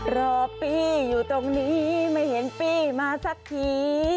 รอปี้อยู่ตรงนี้ไม่เห็นปี้มาสักที